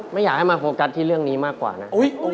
ไม่อยากให้มาโฟกัสที่เรื่องนี้มากกว่านะ